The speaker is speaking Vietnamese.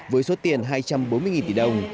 với số tiền hai trăm bốn mươi tỷ đồng